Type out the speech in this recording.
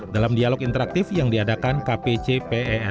dalam dialog interaktif yang diadakan kpcpen